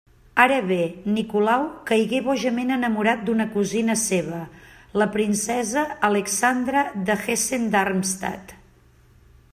Ara bé, Nicolau caigué bojament enamorat d'una cosina seva, la princesa Alexandra de Hessen-Darmstadt.